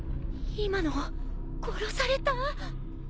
今の殺された？